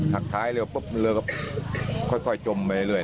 ท้ายเรือปุ๊บเรือก็ค่อยจมไปเรื่อย